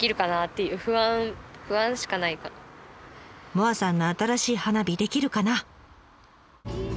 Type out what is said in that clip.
萌彩さんの新しい花火出来るかな？